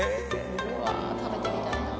うわ食べてみたいなぁ